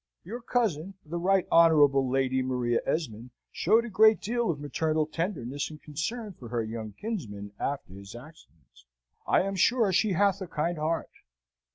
"Your cousin, the Right Honourable Lady Maria Esmond, showed a great deal of maternal tenderness and concern for her young kinsman after his accident. I am sure she hath a kind heart.